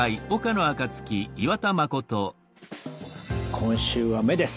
今週は「目」です。